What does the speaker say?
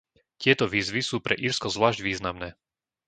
Tieto výzvy sú pre Írsko zvlášť významné.